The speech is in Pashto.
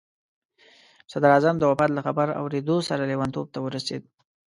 صدراعظم د وفات له خبر اورېدو سره لیونتوب ته ورسېد.